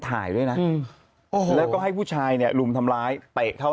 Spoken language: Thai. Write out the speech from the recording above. ถ่ายด้วยนะแล้วก็ให้ผู้ชายเนี่ยรุมทำร้ายเตะเข้า